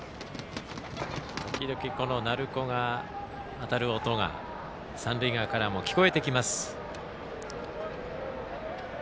時々、鳴子が当たる音が三塁側からも聞こえてきます。